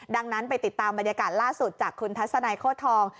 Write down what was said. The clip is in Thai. ดังนั้นไปติดตามบรรยากาศล่าสุดจากคุณทัศนัยโคตรทอง